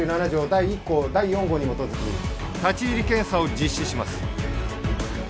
第１項第４号に基づき立入検査を実施します。